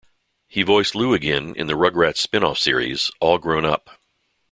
He voiced Lou again in the "Rugrats" spin-off series "All Grown Up!